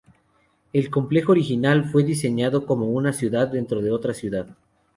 El complejo original fue diseñado como una "ciudad dentro de otra ciudad.